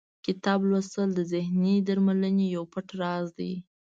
کتاب لوستل د ذهني درملنې یو پټ راز دی.